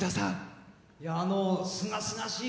すがすがしい